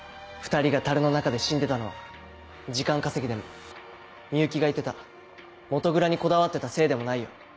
２人が樽の中で死んでたのは時間稼ぎでも美雪が言ってた元蔵にこだわってたせいでもないよ。